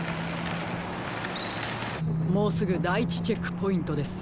もうすぐだい１チェックポイントです。